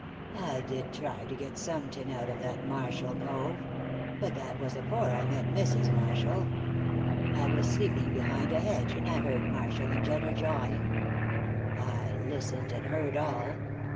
"I did try to get some tin out of that Marshall cove; but that was afore I met Mrs. Marshall. I was sleeping behind a hedge, and I heard Marshall and Jenner jawing; I listened, and heard all.